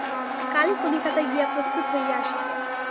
কালই কলিকাতায় গিয়া প্রস্তুত হইয়া আসিব।